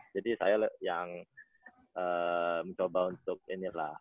jadi saya yang mencoba untuk ini lah